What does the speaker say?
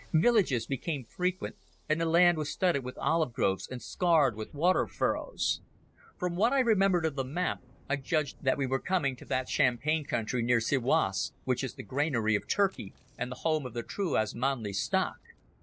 Villages became frequent, and the land was studded with olive groves and scarred with water furrows. From what I remembered of the map I judged that we were coming to that champagne country near Siwas, which is the granary of Turkey, and the home of the true Osmanli stock.